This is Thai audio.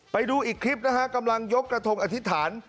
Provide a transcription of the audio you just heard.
ไปดูอีกคลิปนะฮะกำลังยกกระทงอธิษฐาน